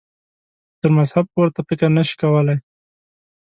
تر مذهب پورته فکر نه شي کولای.